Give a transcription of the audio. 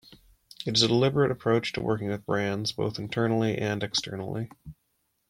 It is a deliberate approach to working with brands, both internally and externally.